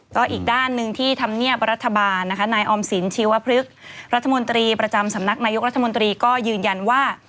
ก็อีกด้านหนึ่งที่ธรรมเนียบรัฐบาลนะคะนายออมสินชีวพฤกษ์รัฐมนตรีประจำสำนักนายกรัฐมนตรีก็ยืนยันว่า